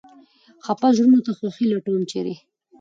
خپه زړونو ته خوښي لټوم ، چېرې ؟